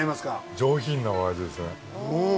上品なお味ですね。